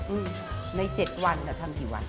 อืมใน๗วันแล้วทำกี่วัน